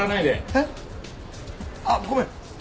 えっ？あっごめん。